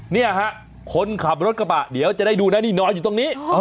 เนี่ยฮะคนขับรถกระบะเดี๋ยวจะได้ดูนะนี่นอนอยู่ตรงนี้